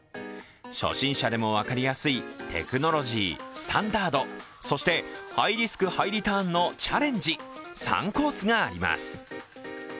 初心者でも分かりやすいテクノロジー、スタンダード、そしてハイリスクハイリターンのチャレンジ、３コースがあります。